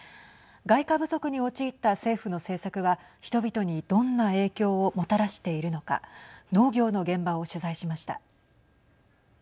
外貨不足に陥った政府の政策は人々にどんな影響をもたらしているのか農業の現場を取材しました。